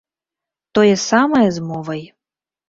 Тое самае з мовай.